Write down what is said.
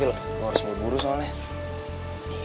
kok harus buru buru soalnya